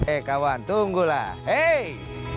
eh kawan tunggulah hei